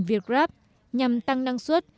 việt gáp nhằm tăng năng suất